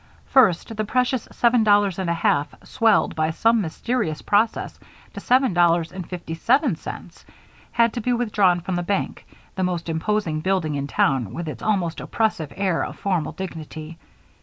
First the precious seven dollars and a half, swelled by some mysterious process to seven dollars and fifty seven cents, had to be withdrawn from the bank, the most imposing building in town with its almost oppressive air of formal dignity.